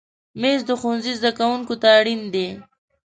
مېز د ښوونځي زده کوونکي ته اړین دی.